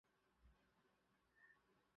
The album includes two number-one hits: Stop!